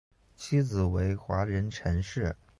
妻子为华人陈氏。